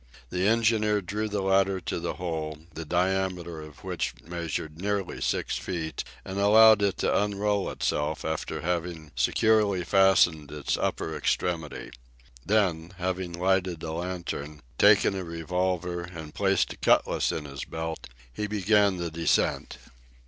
The engineer drew the ladder to the hole, the diameter of which measured nearly six feet, and allowed it to unroll itself after having securely fastened its upper extremity. Then, having lighted a lantern, taken a revolver, and placed a cutlass in his belt, he began the descent.